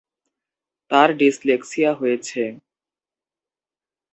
তার ডিসলেক্সিয়া হয়েছে।